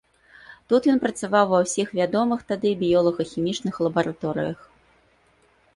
Тут ён працаваў ва ўсіх вядомых тады біёлага-хімічных лабараторыях.